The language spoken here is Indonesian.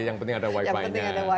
yang penting ada wifi nya